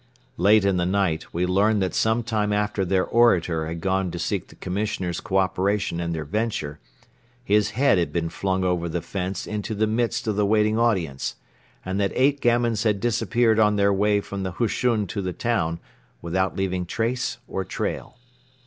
Late in the night we learned that some time after their orator had gone to seek the Commissioner's cooperation in their venture, his head had been flung over the fence into the midst of the waiting audience and that eight gamins had disappeared on their way from the hushun to the town without leaving trace or trail.